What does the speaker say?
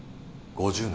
５０年。